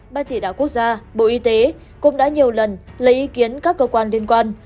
ban chỉ đạo quốc gia bộ y tế cũng đã nhiều lần lấy ý kiến các cơ quan liên quan